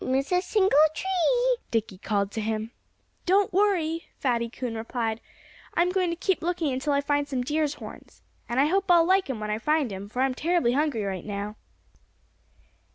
"Don't miss a single tree!" Dickie called to him. "Don't worry!" Fatty Coon replied. "I'm going to keep looking until I find some deer's horns. And I hope I'll like 'em when I find 'em, for I'm terribly hungry right now."